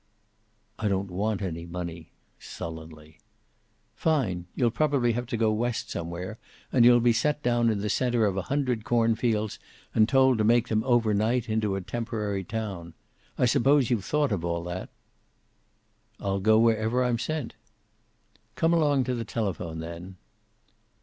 "I don't want any money," sullenly. "Fine. You'll probably have to go west somewhere, and you'll be set down in the center of a hundred corn fields and told to make them overnight into a temporary town. I suppose you've thought of all that?" "I'll go wherever I'm sent." "Come along to the telephone, then."